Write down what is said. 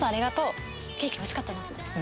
ケーキおいしかったな。